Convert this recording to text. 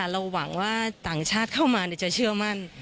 เราหวังว่าต่างชาติเข้ามาจะเชื่อมั่น